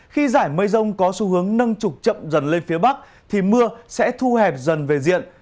khi giải mây rông có xu hướng nâng trục chậm dần lên phía bắc thì mưa sẽ thu hẹp dần về diện